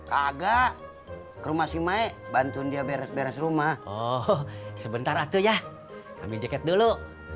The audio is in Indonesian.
kagak rumah si maik bantuin dia beres beres rumah oh sebentar aku ya ambil jaket dulu